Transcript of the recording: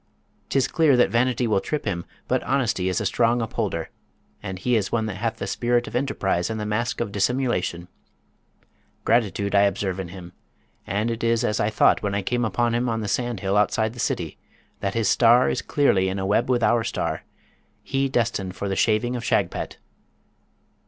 'Tis clear that vanity will trip him, but honesty is a strong upholder; and he is one that hath the spirit of enterprise and the mask of dissimulation: gratitude I observe in him; and it is as I thought when I came upon him on the sand hill outside the city, that his star is clearly in a web with our star, he destined for the Shaving of Shagpat.'